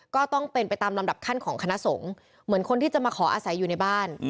ก็ต้องเป็นไปตามลำดับขั้นของคณะสงฆ์เหมือนคนที่จะมาขออาศัยอยู่ในบ้าน